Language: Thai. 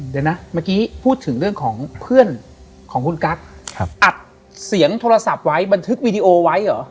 เดี๋ยวนะเมื่อกี้พูดถึงเรื่องของเพื่อนของคุณกั๊กอัดเสียงโทรศัพท์ไว้บันทึกวีดีโอไว้เหรอ